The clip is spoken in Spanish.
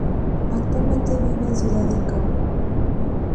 Actualmente vive en Ciudad del Cabo.